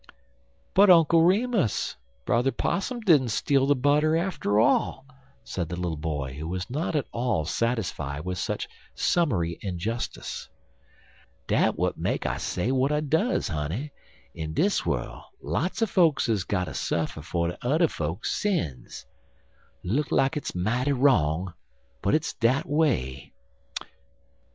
"But, Uncle Remus, Brother Possum didn't steal the butter after all," said the little boy, who was not at all satisfied with such summary injustice. "Dat w'at make I say w'at I duz, honey. In dis worl', lots er fokes is gotter suffer fer udder fokes sins. Look like hit's mighty wrong; but hit's des dat away.